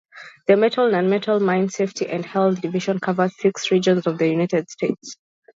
The Metal-Nonmetal Mine Safety and Health division covers six regions of the United States.